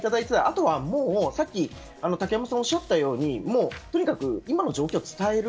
あとは、さっき竹山さんがおっしゃったようにとにかく今の状況を伝える。